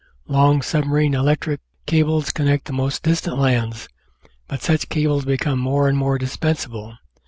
Long submarine electric cables connect the most distant lands, but such cables become more and more dispensable.